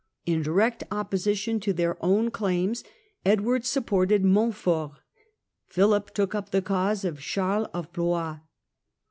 In direct opposition to their own claims, Edward supported Montfort, Philip took up the cause of Charles of Blois.